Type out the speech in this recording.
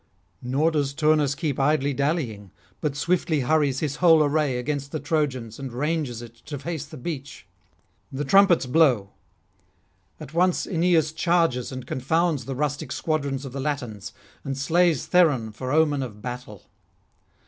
Nor does Turnus keep idly dallying, but swiftly hurries his whole array against the Trojans and ranges it to face the beach. The trumpets blow. At once Aeneas charges and confounds the rustic squadrons of the Latins, and slays Theron for omen of battle.